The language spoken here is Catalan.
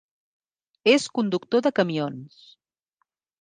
És conductor de camions.